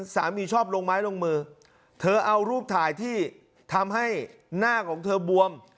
ชอบลงไม้ลงมือเธอเอารูปถ่ายที่ทำให้หน้าของเธอบวม